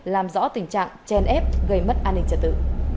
làm rõ tình trạng chèn ép gây mất an ninh trật tự